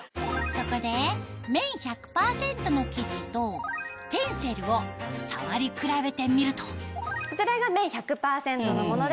そこで綿１００％の生地とテンセルを触り比べてみるとそちらが綿１００％のもので。